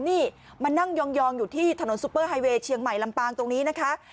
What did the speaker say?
นี่มานั่งยองอยู่ที่ถนนซุปเปอร์ไฮเวย์เชียงใหม่ลำปางตรงนี้นะคะ